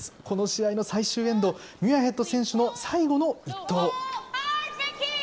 この試合の最終エンド、ミュアヘッド選手の最後の１投。